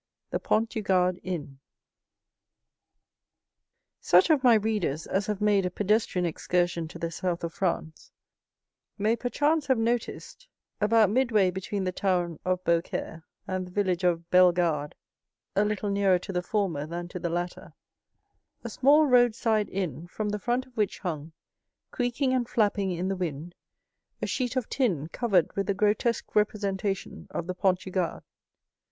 The Pont du Gard Inn Such of my readers as have made a pedestrian excursion to the south of France may perchance have noticed, about midway between the town of Beaucaire and the village of Bellegarde,—a little nearer to the former than to the latter,—a small roadside inn, from the front of which hung, creaking and flapping in the wind, a sheet of tin covered with a grotesque representation of the Pont du Gard.